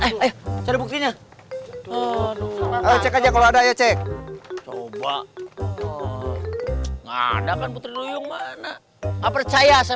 cari buktinya cek aja kalau ada ya cek coba nggak ada kan putri duyung mana nggak percaya saya